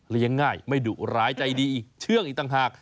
เลี้ยงง่ายไม่ดุร้ายใจดีชื่องอีกต่างทาง